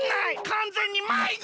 かんぜんにまいご！